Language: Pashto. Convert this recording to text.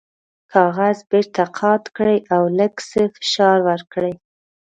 کاغذ بیرته قات کړئ او لږ څه فشار ورکړئ.